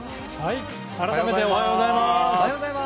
改めておはようございます。